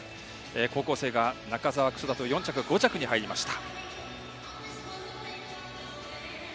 高校生が中澤、楠田と４着、５着に入りました。